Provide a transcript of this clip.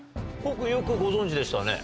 君よくご存じでしたね。